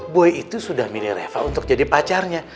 buy itu sudah milih reva untuk jadi pacarnya